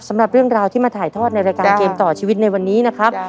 สำหรับเรื่องราวที่มาถ่ายทอดในรายการเกมต่อชีวิตในวันนี้นะครับ